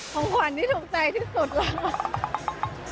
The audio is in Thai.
ของขวัญที่ถูกใจที่สุดแล้ว